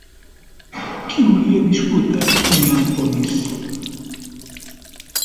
Qui hauria viscut a Hiàmpolis?